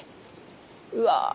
うわ。